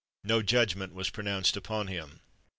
No judgment was pronounced upon him."